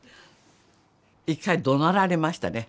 一回どなられましたね